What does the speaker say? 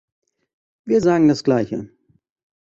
Wir sagen das gleiche.